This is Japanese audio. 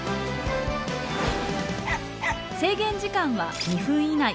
制限時間は２分以内。